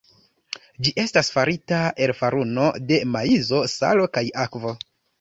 Ĝi estas farita el faruno de maizo, salo kaj akvo.